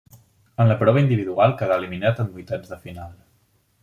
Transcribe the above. En la prova individual quedà eliminat en vuitens de final.